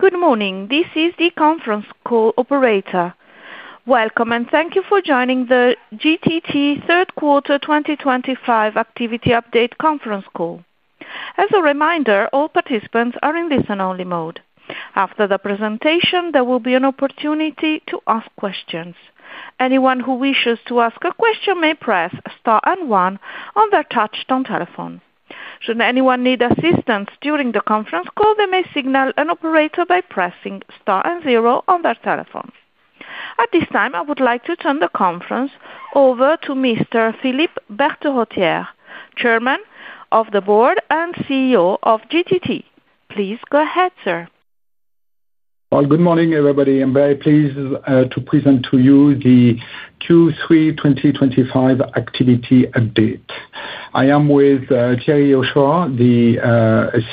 Good morning, this is the conference call operator. Welcome, and thank you for joining the GTT Q3 2025 Activity Update conference call. As a reminder, all participants are in listen-only mode. After the presentation, there will be an opportunity to ask questions. Anyone who wishes to ask a question may press star and one on their touchtone telephone. Should anyone need assistance during the conference call, they may signal an operator by pressing star and zero on their telephone. At this time, I would like to turn the conference over to Mr. Philippe Berterottière, Chairman of the Board and CEO of GTT. Please go ahead, sir. Good morning, everybody. I'm very pleased to present to you the Q3 2025 Activity Update. I am with Thierry Hochoa, the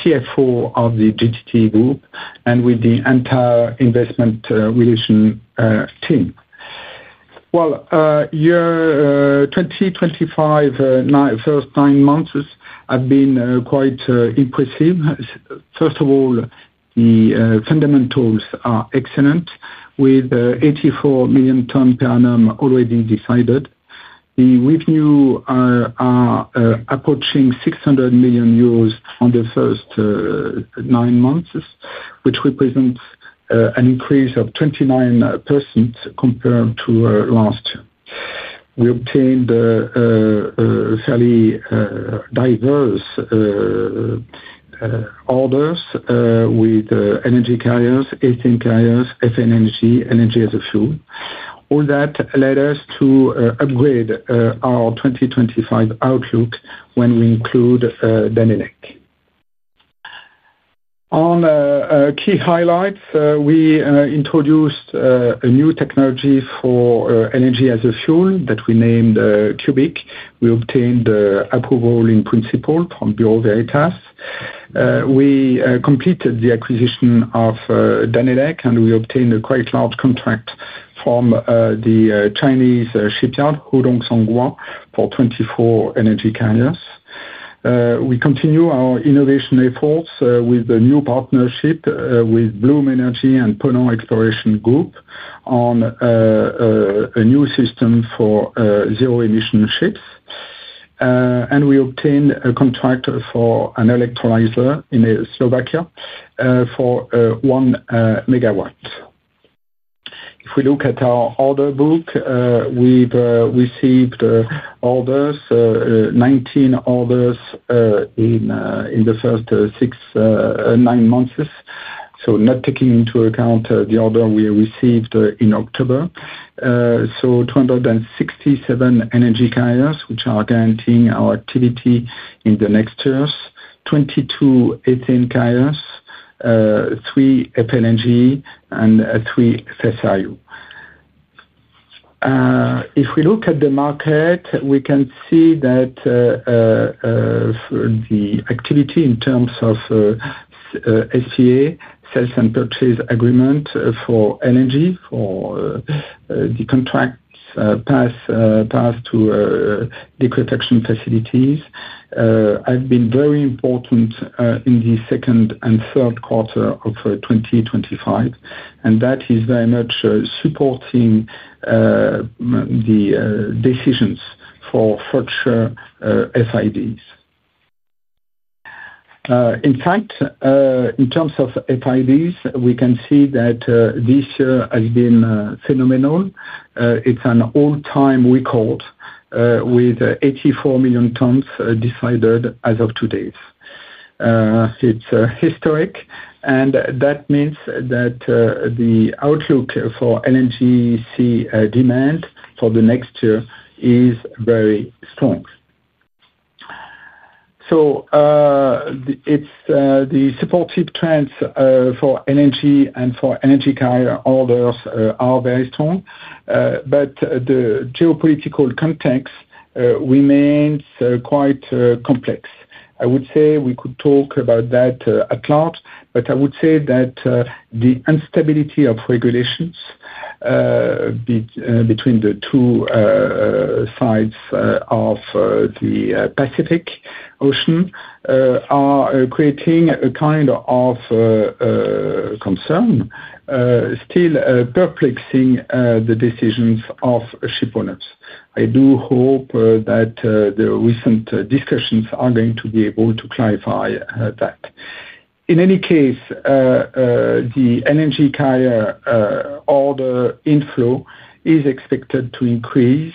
CFO of the GTT Group, and with the entire Investment Relations Team. Your 2025 first nine months have been quite impressive. First of all, the fundamentals are excellent, with 84 million tonnes per annum already decided. The revenues are approaching 600 million euros on the first nine months, which represents an increase of 29% compared to last year. We obtained fairly diverse orders with energy carriers, heating carriers, Danelec, and energy as a fuel. All that led us to upgrade our 2025 outlook when we include Danelec. On key highlights, we introduced new technologies for energy as a fuel that we named QubiQ. We obtained approval in principle from Bureau Veritas. We completed the acquisition of Danelec, and we obtained a quite large contract from the Chinese shipyard, Hudong-Zhonghua, for 24 energy carriers. We continue our innovation efforts with a new partnership with Bloom Energy and Ponant Exploration Group on a new system for zero-emission ships. We obtained a contract for an electrolyzer in Slovakia for one megawatt. If we look at our order book, we've received 19 orders in the first nine months, not taking into account the order we received in October. So, 267 energy carriers, which are guaranteeing our activity in the next years, 22 heating carriers, three Danelec, and three FSRU. If we look at the market, we can see that the activity in terms of SPA, sales and purchase agreement for energy, for the contracts passed to liquefaction facilities, have been very important in the second and third quarter of 2025, and that is very much supporting the decisions for future FIDs. In fact, in terms of FIDs, we can see that this year has been phenomenal. It's an all-time record, with 84 million tonnes decided as of today. It's historic, and that means that the outlook for LNGC demand for the next year is very strong. The supportive trends for energy and for energy carrier orders are very strong, but the geopolitical context remains quite complex. I would say we could talk about that at large, but I would say that the instability of regulations between the two sides of the Pacific Ocean are creating a kind of concern, still perplexing the decisions of shipowners. I do hope that the recent discussions are going to be able to clarify that. In any case, the energy carrier order inflow is expected to increase,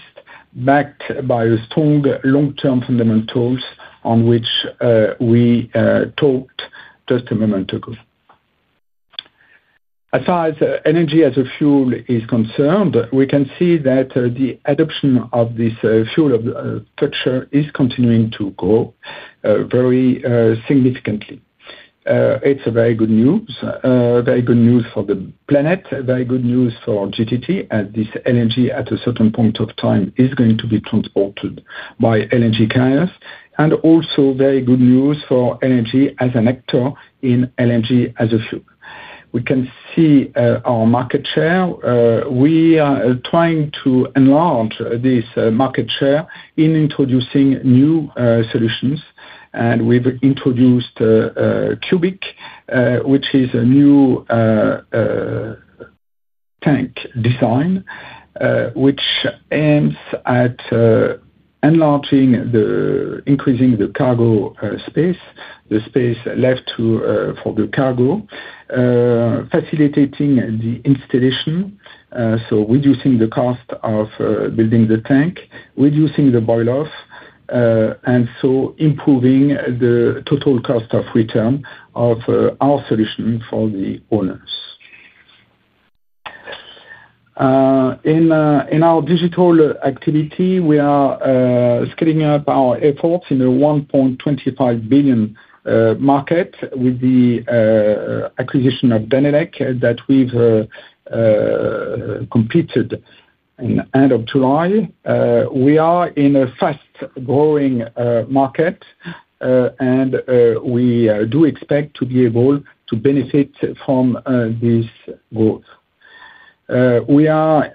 backed by strong long-term fundamentals on which we talked just a moment ago. As far as energy as a fuel is concerned, we can see that the adoption of this fuel of the future is continuing to grow very significantly. It's very good news, very good news for the planet, very good news for GTT, as this energy at a certain point of time is going to be transported by energy carriers, and also very good news for energy as an actor in energy as a fuel. We can see our market share. We are trying to enlarge this market share in introducing new solutions, and we've introduced QubiQ, which is a new tank design, which aims at enlarging the increasing the cargo space, the space left for the cargo, facilitating the installation, so reducing the cost of building the tank, reducing the boil-off, and so improving the total cost of return of our solution for the owners. In our digital activity, we are scaling up our efforts in the 1.25 billion market with the acquisition of Danelec that we've completed in the end of July. We are in a fast-growing market, and we do expect to be able to benefit from this growth. We are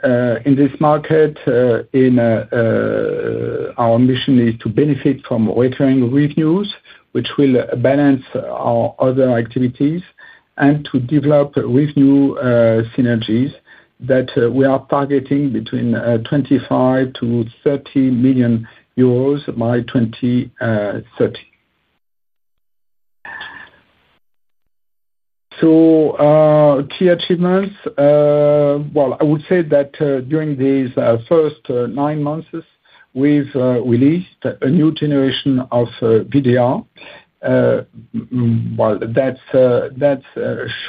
in this market. Our mission is to benefit from recurring revenues, which will balance our other activities, and to develop revenue synergies that we are targeting between 25-30 million euros by 2030. Key achievements. I would say that during these first nine months, we've released a new generation of VDR. That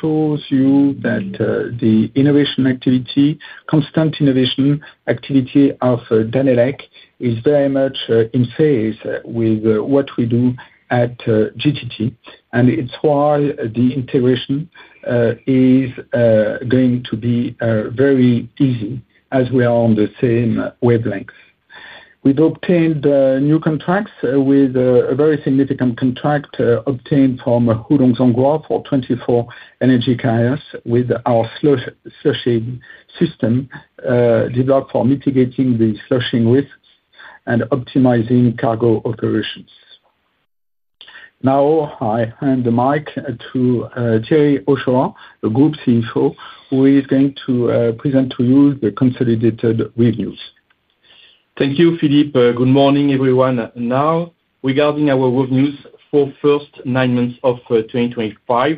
shows you that the innovation activity, constant innovation activity of Danelec is very much in phase with what we do at GTT, and it's why the integration is going to be very easy as we are on the same wavelength. We've obtained new contracts with a very significant contract obtained from Hudong-Zhonghua for 24 energy carriers with our slushing system developed for mitigating the slushing risk and optimizing cargo operations. Now, I hand the mic to Thierry Hochoa, the Group CFO, who is going to present to you the consolidated revenues. Thank you, Philippe. Good morning, everyone. Now, regarding our revenues for the first nine months of 2025.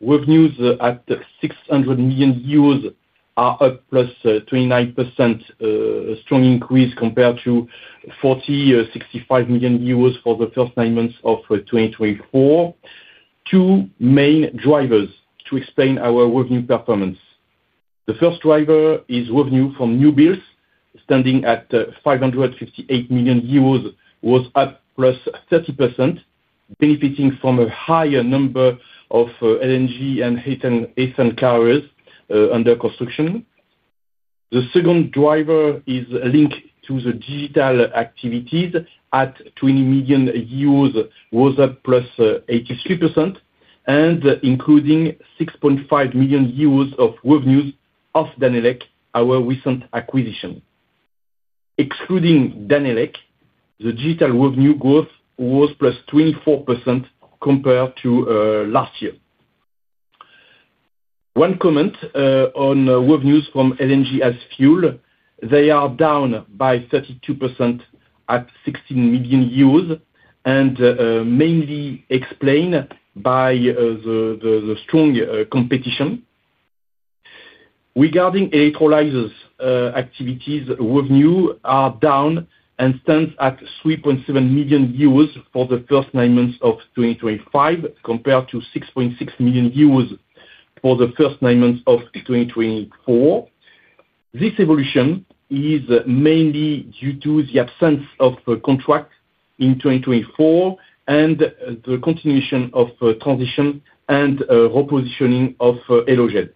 Revenues at 600 million euros are up +29%. A strong increase compared to 465 million euros for the first nine months of 2024. Two main drivers to explain our revenue performance. The first driver is revenue from new builds, standing at 558 million euros, was up +30%, benefiting from a higher number of LNG and heating carriers under construction. The second driver is linked to the digital activities at 20 million euros, was up +83%, and including 6.5 million euros of revenues of Danelec, our recent acquisition. Excluding Danelec, the digital revenue growth was +24% compared to last year. One comment on revenues from LNG as fuel: they are down by 32% at 16 million euros and mainly explained by the strong competition. Regarding electrolyzers activities, revenue are down and stand at 3.7 million for the first nine months of 2025 compared to 6.6 million for the first nine months of 2024. This evolution is mainly due to the absence of contracts in 2024 and the continuation of transition and repositioning of Elogen.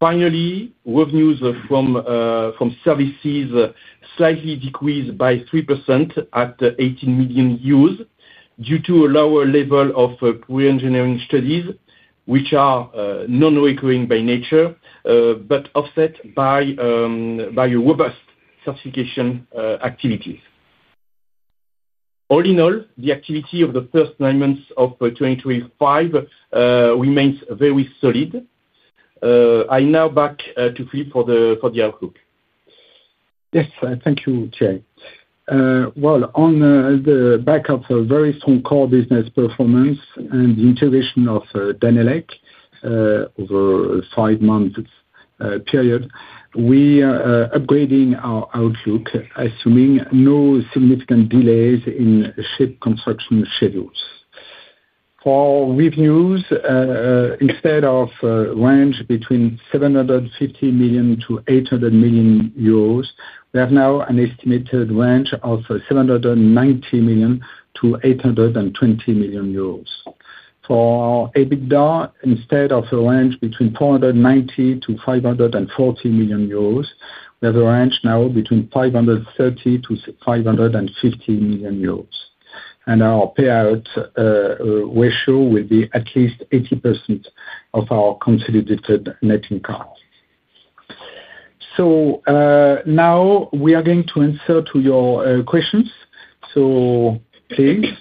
Finally, revenues from services slightly decreased by 3% at 18 million due to a lower level of pre-engineering studies, which are non-recurring by nature but offset by robust certification activities. All in all, the activity of the first nine months of 2025 remains very solid. I'm now back to Philippe for the outlook. Yes, thank you, Thierry. On the back of a very strong core business performance and the integration of Danelec over a five-month period, we are upgrading our outlook, assuming no significant delays in ship construction schedules. For revenues, instead of a range between 750 million and 800 million euros, we have now an estimated range of 790 million-820 million euros. For EBITDA, instead of a range between 490 million and 540 million euros, we have a range now between 530 million-550 million euros. Our payout ratio will be at least 80% of our consolidated net income. Now we are going to answer your questions. Please.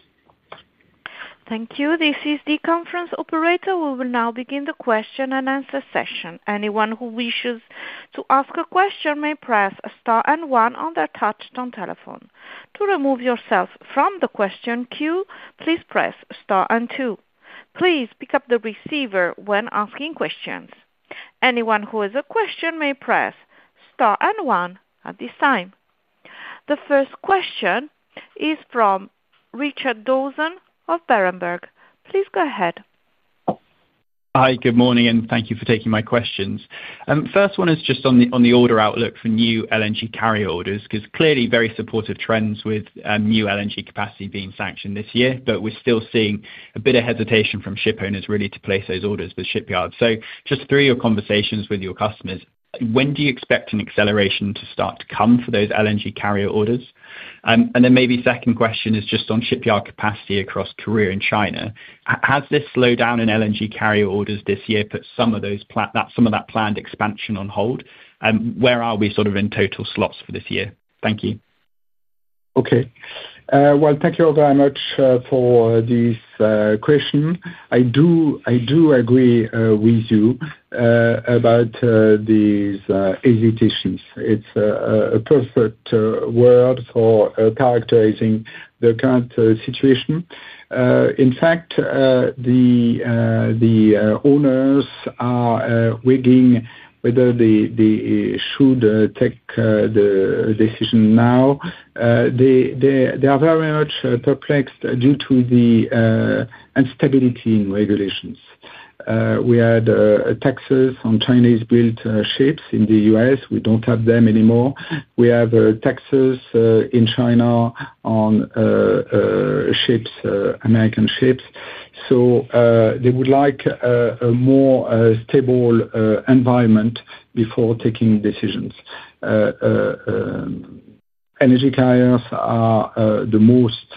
Thank you. This is the conference operator. We will now begin the question and answer session. Anyone who wishes to ask a question may press star and one on their touchtone telephone. To remove yourself from the question queue, please press star and two. Please pick up the receiver when asking questions. Anyone who has a question may press star and one at this time. The first question is from Richard Dawson of Berenberg. Please go ahead. Hi, good morning, and thank you for taking my questions. First one is just on the order outlook for new LNG carrier orders, because clearly very supportive trends with new LNG capacity being sanctioned this year, but we're still seeing a bit of hesitation from shipowners really to place those orders for shipyards. Just through your conversations with your customers, when do you expect an acceleration to start to come for those LNG carrier orders? Maybe second question is just on shipyard capacity across Korea and China. Has this slowdown in LNG carrier orders this year put some of that planned expansion on hold? Where are we sort of in total slots for this year? Thank you. Okay. Thank you all very much for this question. I do agree with you about these hesitations. It's a perfect word for characterizing the current situation. In fact, the owners are weighing whether they should take the decision now. They are very much perplexed due to the instability in regulations. We had taxes on Chinese-built ships in the U.S. We do not have them anymore. We have taxes in China on American ships. They would like a more stable environment before taking decisions. Energy carriers are the most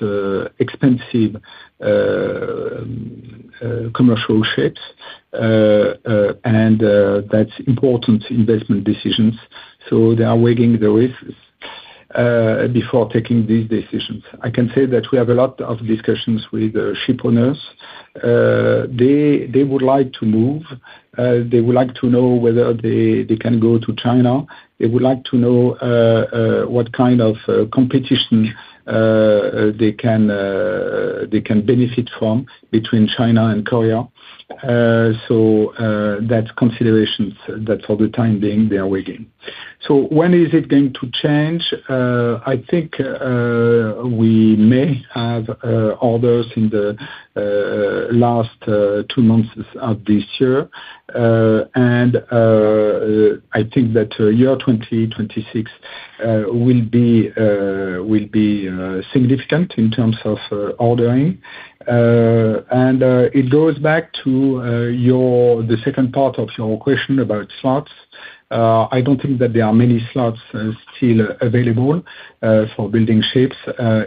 expensive commercial ships, and that's important investment decisions. They are weighing the risks before taking these decisions. I can say that we have a lot of discussions with shipowners. They would like to move. They would like to know whether they can go to China. They would like to know what kind of competition they can benefit from between China and Korea. Those are considerations that for the time being they are weighing. When is it going to change? I think we may have orders in the last two months of this year. I think that year 2026 will be significant in terms of ordering. It goes back to the second part of your question about slots. I do not think that there are many slots still available for building ships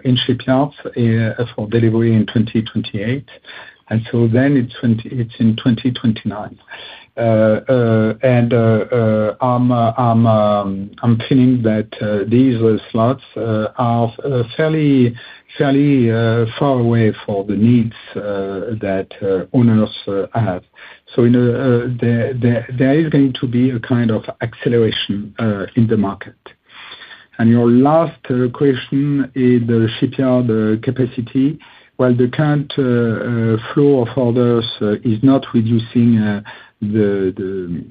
in shipyards for delivery in 2028. Then it is in 2029. I am feeling that these slots are fairly far away for the needs that owners have. There is going to be a kind of acceleration in the market. Your last question is the shipyard capacity. The current flow of orders is not reducing the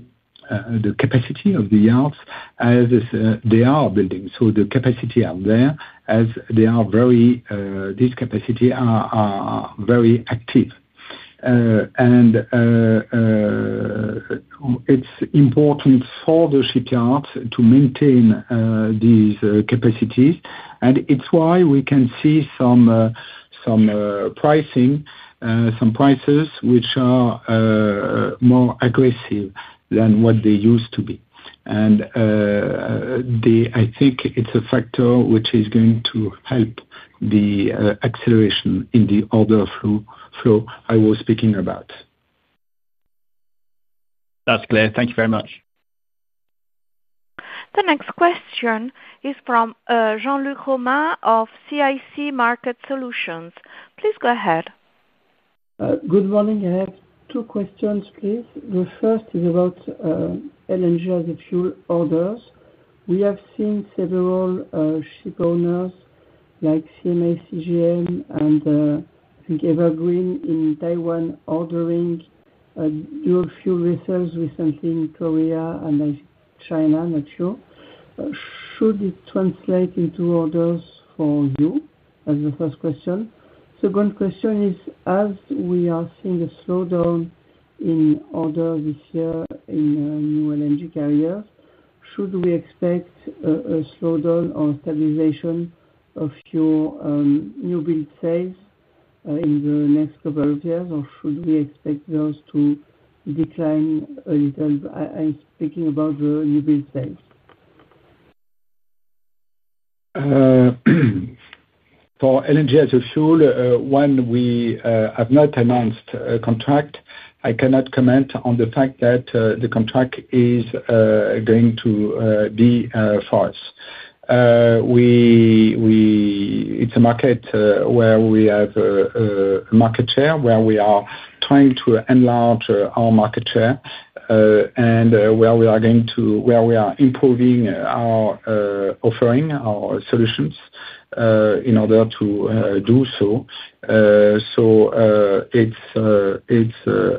capacity of the yards as they are building. The capacity out there, as these capacities are very active. It is important for the shipyards to maintain these capacities. That is why we can see some pricing, some prices which are more aggressive than what they used to be. I think it is a factor which is going to help the acceleration in the order flow I was speaking about. That's clear. Thank you very much. The next question is from Jean-Luc Romain of CIC Market Solutions. Please go ahead. Good morning. I have two questions, please. The first is about LNG as a fuel orders. We have seen several shipowners like CMA CGM and I think Evergreen in Taiwan ordering new fuel vessels recently in Korea and China, not sure. Should this translate into orders for you is your first question? Second question is, as we are seeing a slowdown in orders this year in new LNG carriers, should we expect a slowdown or stabilization of your new build sales in the next couple of years, or should we expect those to decline a little? I'm speaking about the new build sales. For LNG as a fuel, when we have not announced a contract, I cannot comment on the fact that the contract is going to be for us. It's a market where we have a market share, where we are trying to enlarge our market share, and where we are going to, where we are improving our offering, our solutions in order to do so. It's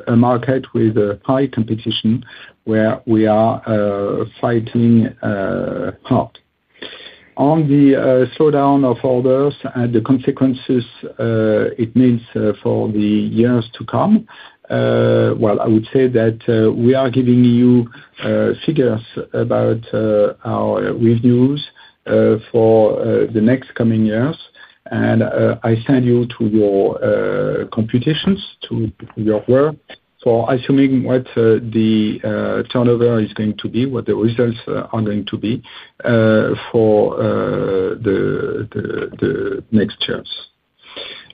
a market with high competition where we are fighting hard. On the slowdown of orders and the consequences it means for the years to come, I would say that we are giving you figures about our revenues for the next coming years, and I send you to your computations, to your work, for assuming what the turnover is going to be, what the results are going to be for the next years.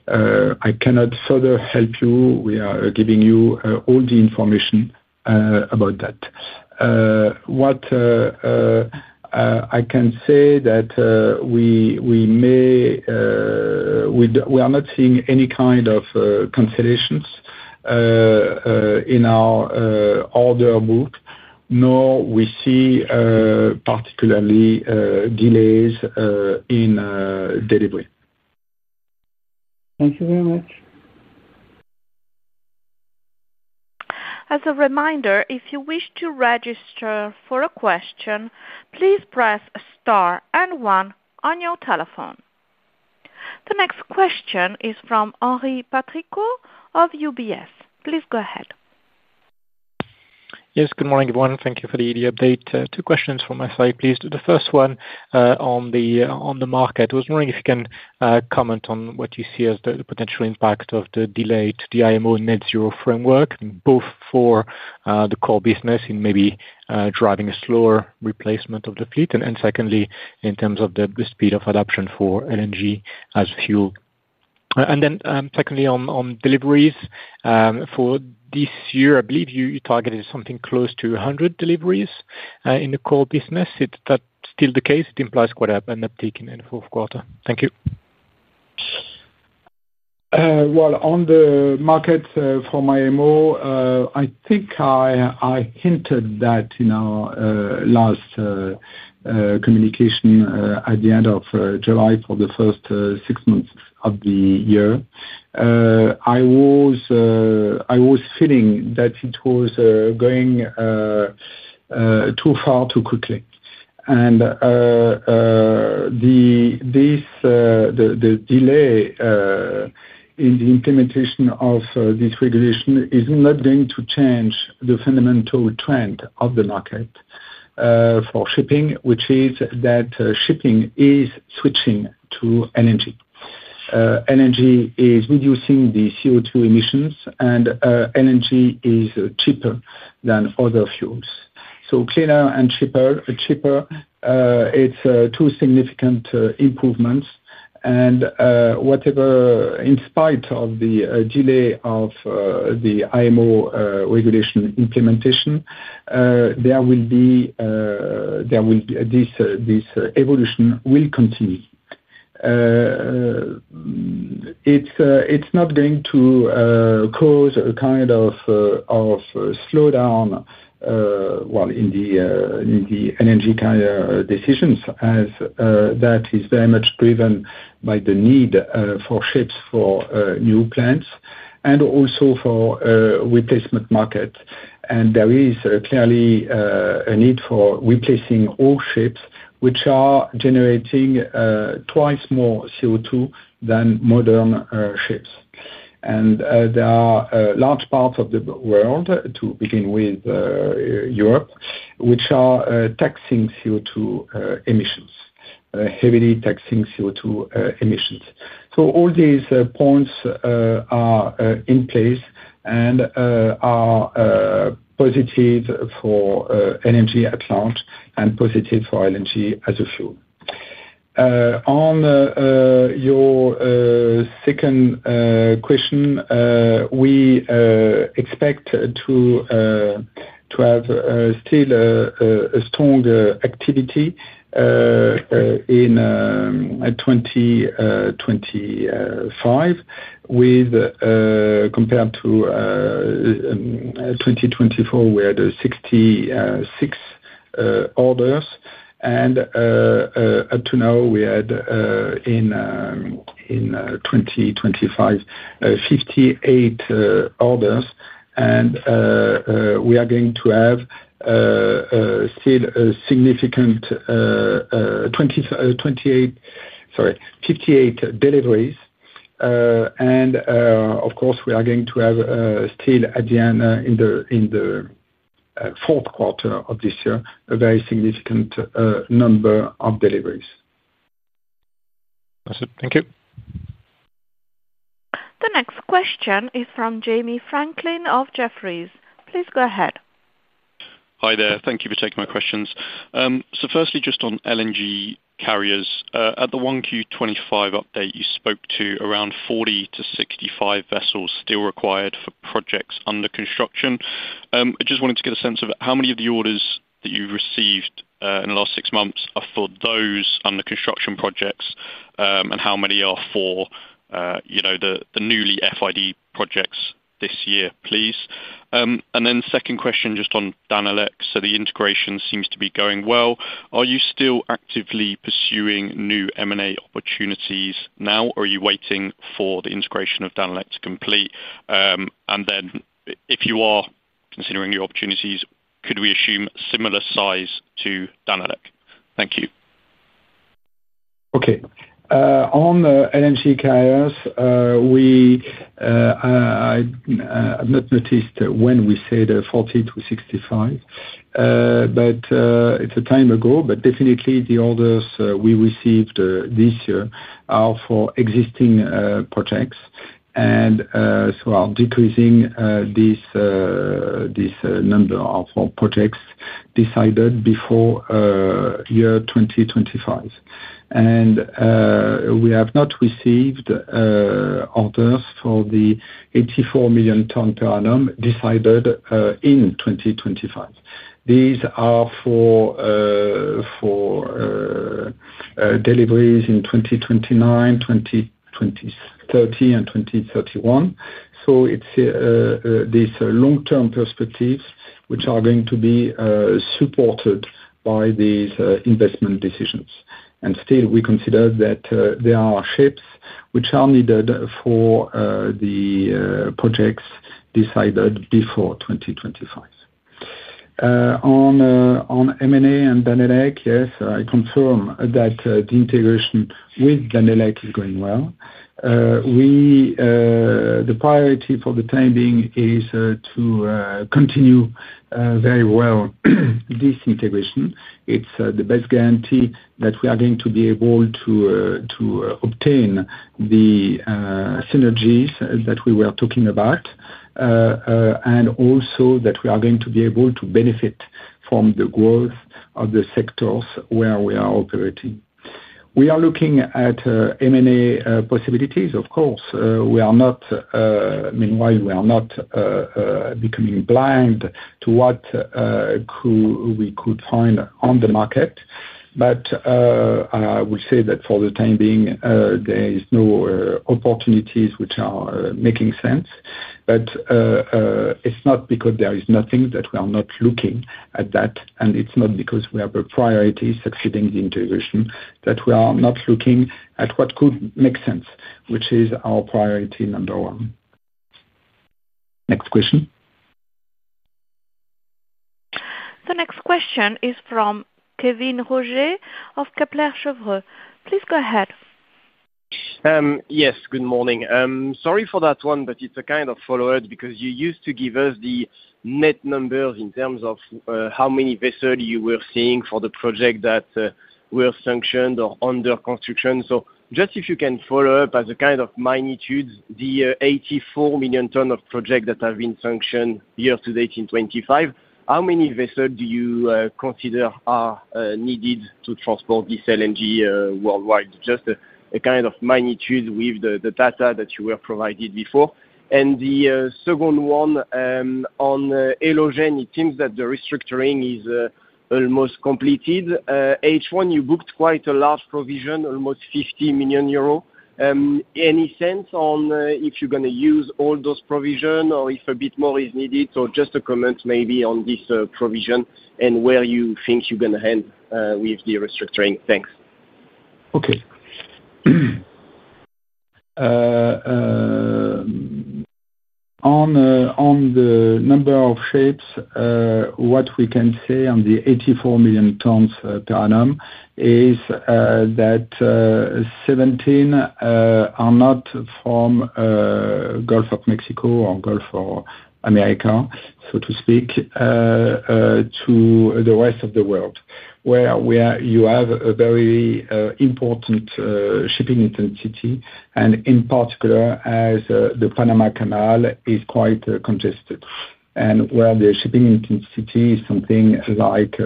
I cannot further help you. We are giving you all the information about that. What I can say is that we may, we are not seeing any kind of cancellations in our order book, nor do we see particularly delays in delivery. Thank you very much. As a reminder, if you wish to register for a question, please press star and one on your telephone. The next question is from Henri Patricot of UBS. Please go ahead. Yes, good morning, everyone. Thank you for the update. Two questions from my side, please. The first one on the market. I was wondering if you can comment on what you see as the potential impact of the delay to the IMO net zero framework, both for the core business in maybe driving a slower replacement of the fleet, and secondly, in terms of the speed of adoption for LNG as fuel. Secondly, on deliveries for this year, I believe you targeted something close to 100 deliveries in the core business. Is that still the case? It implies quite an uptick in the fourth quarter. Thank you. On the market for IMO, I think I hinted that in our last communication at the end of July for the first six months of the year. I was feeling that it was going too far too quickly. This delay in the implementation of this regulation is not going to change the fundamental trend of the market for shipping, which is that shipping is switching to LNG. LNG is reducing the CO2 emissions, and LNG is cheaper than other fuels. So cleaner and cheaper. It is two significant improvements. In spite of the delay of the IMO regulation implementation, this evolution will continue. It is not going to cause a kind of slowdown. While in the LNG carrier decisions, as that is very much driven by the need for ships for new plants and also for replacement markets, there is clearly a need for replacing old ships, which are generating twice more CO2 than modern ships. There are large parts of the world, to begin with Europe, which are taxing CO2 emissions, heavily taxing CO2 emissions. All these points are in place and are positive for LNG at large and positive for LNG as a fuel. On your second question, we expect to have still a strong activity in 2025. Compared to 2024, we had 66 orders. Up to now, we had in 2025, 58 orders. We are going to have still a significant 28—sorry, 58 deliveries. Of course, we are going to have still at the end, in the fourth quarter of this year, a very significant number of deliveries. Thank you. The next question is from Jamie Franklin of Jefferies. Please go ahead. Hi there. Thank you for taking my questions. Firstly, just on LNG carriers, at the 1Q 2025 update, you spoke to around 40-65 vessels still required for projects under construction. I just wanted to get a sense of how many of the orders that you've received in the last six months are for those under construction projects, and how many are for the newly FID projects this year, please. Second question, just on Danelec. The integration seems to be going well. Are you still actively pursuing new M&A opportunities now, or are you waiting for the integration of Danelec to complete? If you are considering new opportunities, could we assume similar size to Danelec? Thank you. Okay. On LNG carriers. I've not noticed when we said 40-65. It is a time ago, but definitely the orders we received this year are for existing projects and are decreasing this number for projects decided before year 2025. We have not received orders for the 84 million tons per annum decided in 2025. These are for deliveries in 2029, 2030, and 2031. It is these long-term perspectives which are going to be supported by these investment decisions. Still, we consider that there are ships which are needed for the projects decided before 2025. On M&A and Danelec, yes, I confirm that the integration with Danelec is going well. The priority for the time being is to continue very well this integration. It is the best guarantee that we are going to be able to obtain the synergies that we were talking about and also that we are going to be able to benefit from the growth of the sectors where we are operating. We are looking at M&A possibilities, of course. Meanwhile, we are not becoming blind to what we could find on the market. I will say that for the time being, there are no opportunities which are making sense. It is not because there is nothing that we are not looking at that, and it is not because we have a priority succeeding the integration that we are not looking at what could make sense, which is our priority number one. Next question. The next question is from Kevin Roger of Kepler Cheuvreux. Please go ahead. Yes, good morning. Sorry for that one, but it's a kind of follow-up because you used to give us the net numbers in terms of how many vessels you were seeing for the project that were sanctioned or under construction. Just if you can follow up as a kind of magnitude, the 84 million tons of project that have been sanctioned year to date in 2025, how many vessels do you consider are needed to transport this LNG worldwide? Just a kind of magnitude with the data that you were provided before. The second one. On Elogen, it seems that the restructuring is almost completed. H1, you booked quite a large provision, almost 50 million euros. Any sense on if you're going to use all those provisions or if a bit more is needed? Just a comment maybe on this provision and where you think you're going to end with the restructuring. Thanks. Okay. On the number of ships, what we can say on the 84 million tons per annum is that 17 are not from Gulf of Mexico or Gulf of America, so to speak, to the rest of the world, where you have a very important shipping intensity, and in particular, as the Panama Canal is quite congested, and where the shipping intensity is something like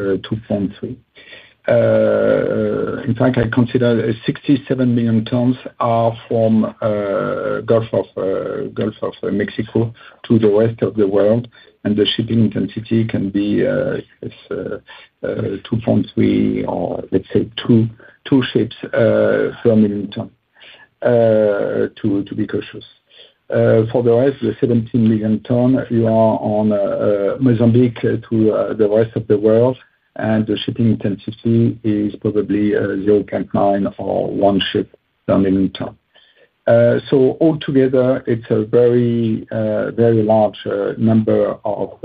2.3. In fact, I consider 67 million tons are from Gulf of Mexico to the rest of the world, and the shipping intensity can be 2.3 or, let's say, two ships per million ton, to be cautious. For the rest, the 17 million ton, you are on Mozambique to the rest of the world, and the shipping intensity is probably 0.9 or one ship per million ton. Altogether, it is a very large number of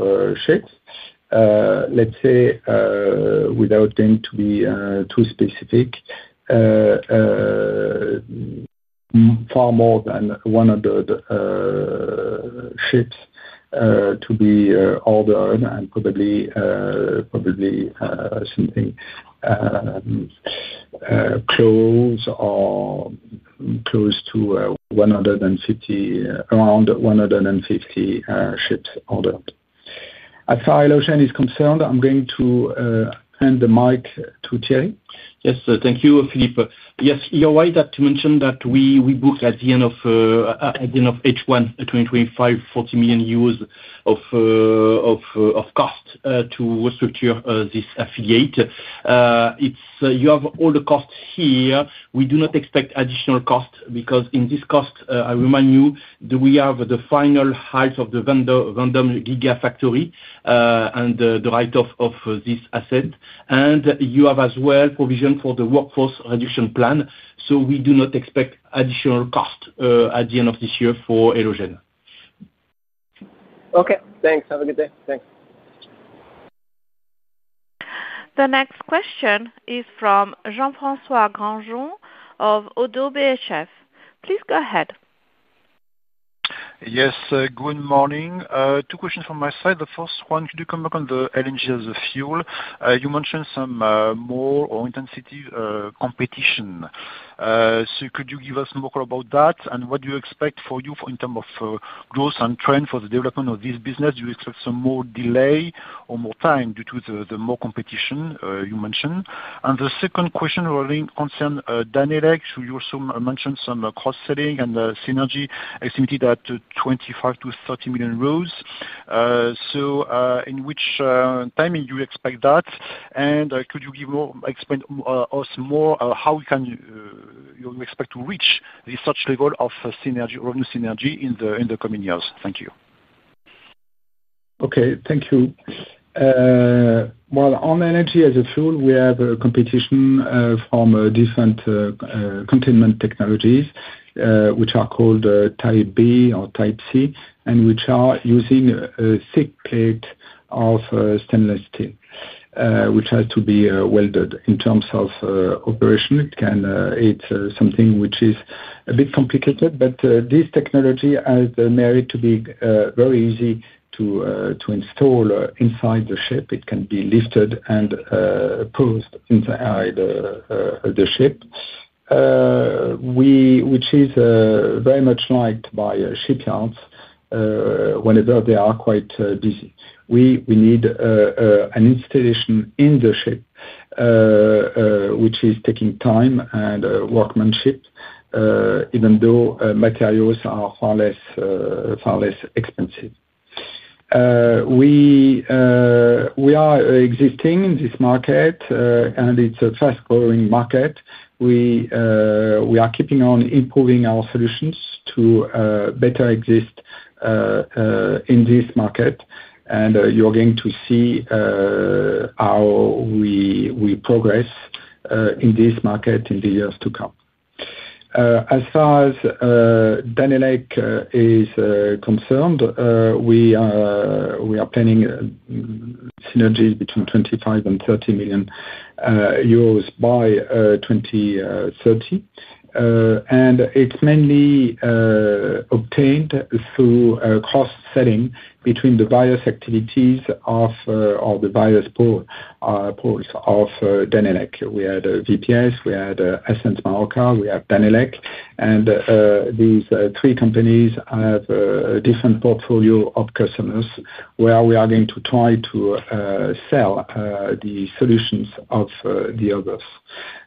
ships. Let's say, without being too specific, far more than 100 ships to be ordered and probably something close or close to around 150 ships ordered. As far as Elogen is concerned, I'm going to hand the mic to Thierry. Yes, thank you, Philippe. Yes, you're right that you mentioned that we booked at the end of H1 2025, 40 million euros of cost to restructure this affiliate. You have all the costs here. We do not expect additional costs because in this cost, I remind you, we have the final height of the Vendom Giga Factory and the write-off of this asset. You have as well provision for the workforce reduction plan. We do not expect additional costs at the end of this year for Elogen. Okay. Thanks. Have a good day. Thanks. The next question is from Jean-François Granjon of ODDO BHF. Please go ahead. Yes, good morning. Two questions from my side. The first one, could you comment on the LNG as a fuel? You mentioned some more or intensity competition. Could you give us more about that? What do you expect for you in terms of growth and trend for the development of this business? Do you expect some more delay or more time due to the more competition you mentioned? The second question concerns Danelec. You also mentioned some cross-selling and synergy activity that 25 million-30 million. In which time do you expect that? Could you explain to us more how you expect to reach such level of synergy or new synergy in the coming years? Thank you. Okay, thank you. On energy as a fuel, we have competition from different containment technologies which are called Type B or Type C, and which are using a thick plate of stainless steel, which has to be welded. In terms of operation, it's something which is a bit complicated, but this technology has the merit to be very easy to install inside the ship. It can be lifted and posed inside the ship, which is very much liked by shipyards whenever they are quite busy. We need an installation in the ship which is taking time and workmanship, even though materials are far less expensive. We are existing in this market, and it's a fast-growing market. We are keeping on improving our solutions to better exist in this market, and you're going to see how we progress in this market in the years to come. As far as Danelec is concerned, we are planning synergies between 25 million-30 million euros by 2030, and it's mainly obtained through cross-selling between the various activities or the various parts of Danelec. We had VPS, we had Essence Maroca, we have Danelec, and these three companies have different portfolios of customers where we are going to try to sell the solutions of the others.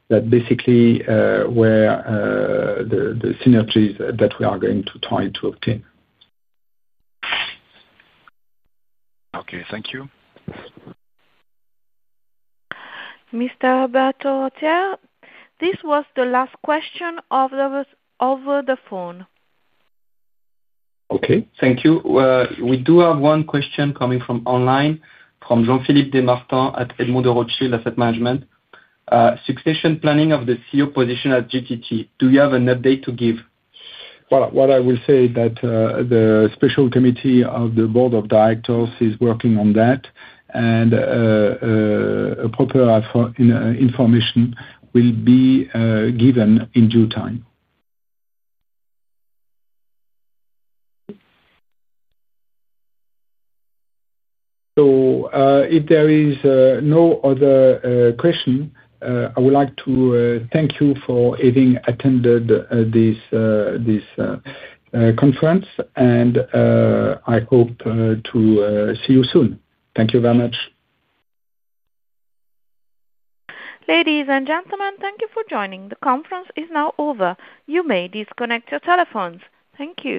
That basically were the synergies that we are going to try to obtain. Okay, thank you. Mr. Berterottière, this was the last question over the phone. Okay, thank you. We do have one question coming from online from Jean-Philippe Desmartins at Edmond Dorothier Asset Management. Succession planning of the CEO position at GTT. Do you have an update to give? The special committee of the board of directors is working on that. Proper information will be given in due time. If there is no other question, I would like to thank you for having attended this conference, and I hope to see you soon. Thank you very much. Ladies and gentlemen, thank you for joining. The conference is now over. You may disconnect your telephones. Thank you.